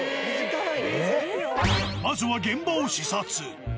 まずは現場を視察。